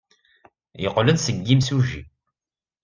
Yeqqel-d seg yimsujji.